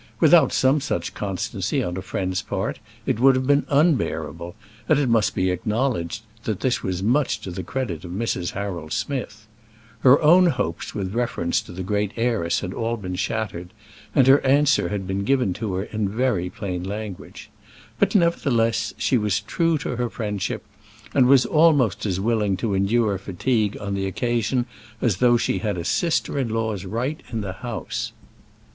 Without some such constancy on a friend's part, it would have been unbearable. And it must be acknowledged that this was much to the credit of Mrs. Harold Smith. Her own hopes with reference to the great heiress had all been shattered, and her answer had been given to her in very plain language. But, nevertheless, she was true to her friendship, and was almost as willing to endure fatigue on the occasion as though she had a sister in law's right in the house.